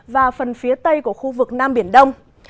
và phần phía tây của khu vực nam biển đông